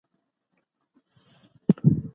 چاپېريال پاک وساته